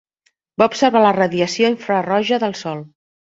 Va observar la radiació infraroja del Sol.